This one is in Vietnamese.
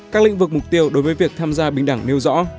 các lĩnh vực mục tiêu đối với việc tham gia bình đẳng nêu rõ